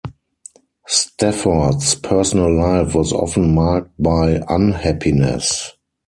Stafford's personal life was often marked by unhappiness.